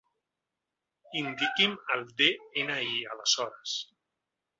Indiqui'm el de-ena-i aleshores.